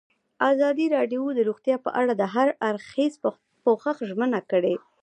ازادي راډیو د روغتیا په اړه د هر اړخیز پوښښ ژمنه کړې.